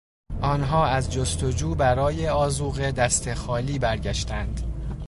آنها از جستجو برای آذوقه دست خالی برگشتند.